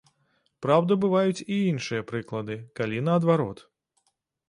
Праўда, бываюць і іншыя прыклады, калі наадварот.